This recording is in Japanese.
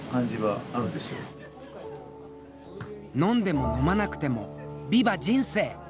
飲んでも飲まなくてもビバ人生！